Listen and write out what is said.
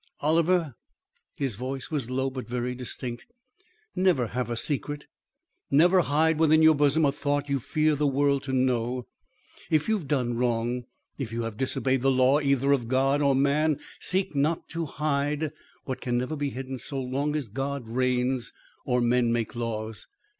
"Oliver" his voice was low but very distinct, "never have a secret; never hide within your bosom a thought you fear the world to know. If you've done wrong if you have disobeyed the law either of God or man seek not to hide what can never be hidden so long as God reigns or men make laws.